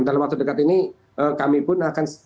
dalam waktu dekat ini kami pun akan